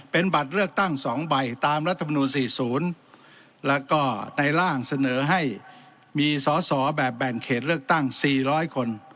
เป็นบัตรเลือกตั้งสองใบตามรัฐมนุมสี่ศูนย์แล้วก็ในร่างเสนอให้มีสอสอแบบแบ่งเขตเลือกตั้งสี่ร้อยคน